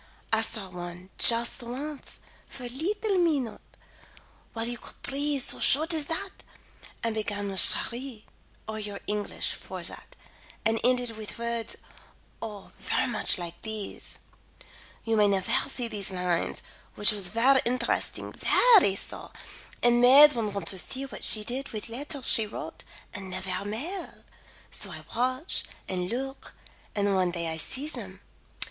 I saw one, just once, for a leetle minute; while you could breathe so short as that; and began with Cheri, or your English for that, and ended with words Oh, ver much like these: You may nevaire see these lines, which was ver interesting, veree so, and made one want to see what she did with letters she wrote and nevaire mail; so I watch and look, and one day I see them.